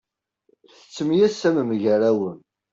Tettemyasamem gar-awen.